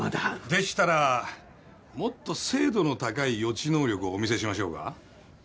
でしたらもっと精度の高い予知能力をお見せしましょうか？ははっ。